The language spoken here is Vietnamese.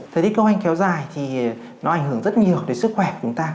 thời tiết khô hanh kéo dài thì nó ảnh hưởng rất nhiều đến sức khỏe của chúng ta